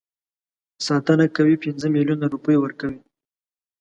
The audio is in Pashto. ساتنه کوي پنځه میلیونه روپۍ ورکوي.